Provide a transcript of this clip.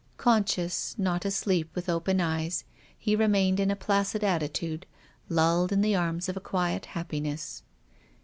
Conscious, not asleep, with oi)cn eyes he remained in a placid attitude, lulled in the arms of a quiet happiness.